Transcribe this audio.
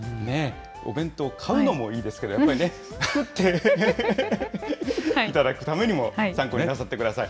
お弁当、買うのもいいですけど、やっぱりね、作っていただくためにも参考になさってください。